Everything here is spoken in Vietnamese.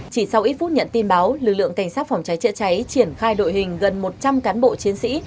chỉ sau ít phút nhận tin báo lực lượng cảnh sát phòng cháy chữa cháy triển khai đội hình gần một trăm linh cán bộ chiến sĩ